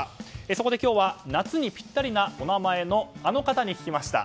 そこで今日は夏にぴったりなお名前のあの方に聞きました。